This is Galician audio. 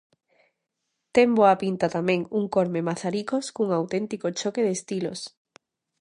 Ten boa pinta tamén un Corme-Mazaricos cun auténtico choque de estilos.